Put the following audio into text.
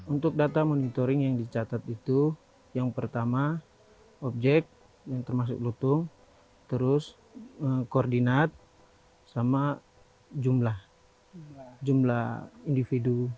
untuk data monitoring yang dicatat itu yang pertama objek yang termasuk lutung terus koordinat sama jumlah individu